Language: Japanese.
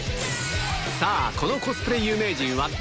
さあ、このコスプレ有名人は誰？